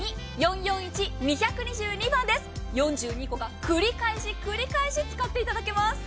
４２個が繰り返し繰り返し使っていただけます。